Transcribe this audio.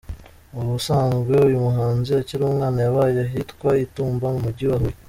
Ubusanzwe uyu muhanzi akiri umwana yabaye ahitwa i Tumba mu Mujyi wa Huye.